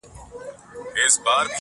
لكه سپوږمۍ چي ترنده ونيسي.